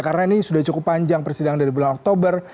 karena ini sudah cukup panjang persidangan dari bulan oktober